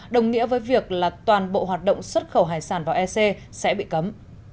đồng nghĩa với việc là toàn bộ hoạt động xuất khẩu hải sản vào ec sẽ bị cấm